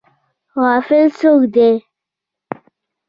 غافل څوک دی؟